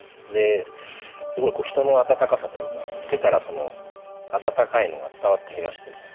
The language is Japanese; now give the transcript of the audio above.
すごい人の温かさというか手から温かいのが伝わってきましてですね